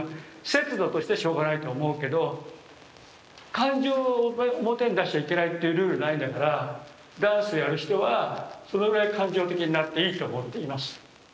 節度としてしょうがないと思うけど感情を表に出しちゃいけないっていうルールないんだからダンスやる人はそのぐらい感情的になっていいと思っています。